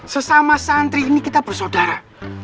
sesama santri ini kita bersaudara